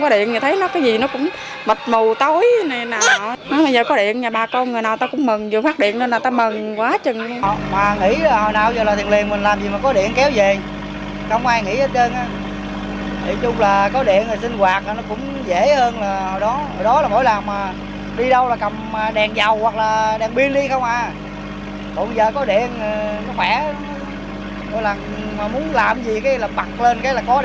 điện nó khỏe mà muốn làm gì bật lên là có điện